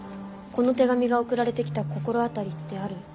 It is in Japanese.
この手紙が送られてきた心当たりってある？